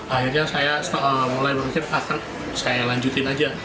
akhirnya saya mulai berpikir akan saya lanjutin aja